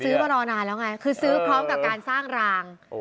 มารอนานแล้วไงคือซื้อพร้อมกับการสร้างราง